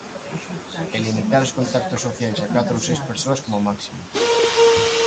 E limitar os contactos sociais a catro ou seis persoas como máximo.